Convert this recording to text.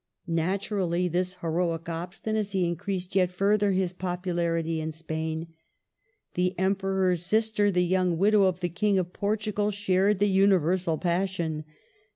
Naturally this heroic obstinacy increased yet further his popularity in Spain. The Emperor's sister, the young widow of the King of Portugal, shared the universal passion.